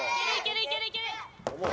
いけるいける。